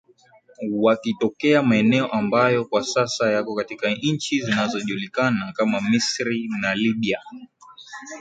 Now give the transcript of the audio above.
wakitokea maeneo ambayo kwa sasa yako katika nchi zinazojulikana kama Misri na Libya